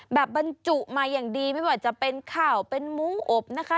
บรรจุมาอย่างดีไม่ว่าจะเป็นข้าวเป็นหมูอบนะคะ